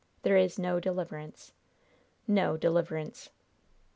There is no deliverance no deliverance!"